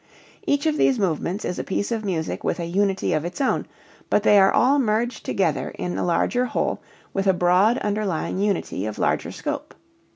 Each of these movements is a piece of music with a unity of its own, but they are all merged together in a larger whole with a broad underlying unity of larger scope.